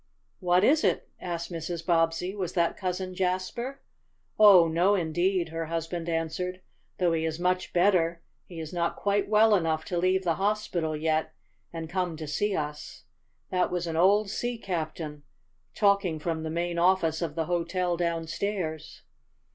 "What is it?" asked Mrs. Bobbsey. "Was that Cousin Jasper?" "Oh, no indeed!" her husband answered. "Though he is much better he is not quite well enough to leave the hospital yet and come to see us. This was an old sea captain talking from the main office of the hotel downstairs."